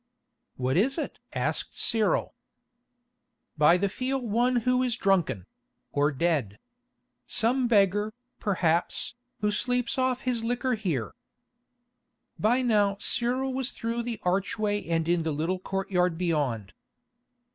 "What is it?" asked Cyril. "By the feel one who is drunken—or dead. Some beggar, perhaps, who sleeps off his liquor here." By now Cyril was through the archway and in the little courtyard beyond.